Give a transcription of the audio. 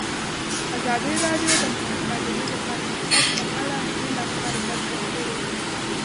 ازادي راډیو د مالي پالیسي د پرمختګ په اړه هیله څرګنده کړې.